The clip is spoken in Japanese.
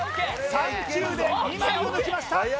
３球で２枚を抜きました